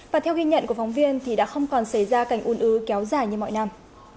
và theo ghi nhận của phóng viên thì đã không còn xảy ra cảnh un ứ kéo dài như mọi năm